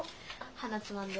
鼻つまんで。